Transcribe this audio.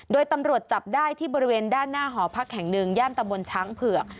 โดยตำรวจจับได้ที่บริเวณด้านหน้าหอพักแห่งหนึ่งย่านตะบนช้างเผือก